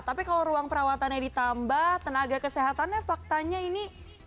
tapi kalau ruang perawatannya ditambah tenaga kesehatannya faktanya ini